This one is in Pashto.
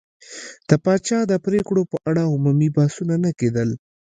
د پاچا د پرېکړو په اړه عمومي بحثونه نه کېدل.